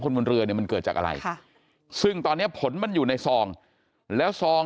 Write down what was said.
บนเรือเนี่ยมันเกิดจากอะไรซึ่งตอนนี้ผลมันอยู่ในซองแล้วซอง